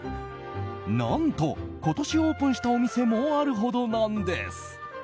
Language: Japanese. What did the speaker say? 何と、今年オープンしたお店もあるほどなんです。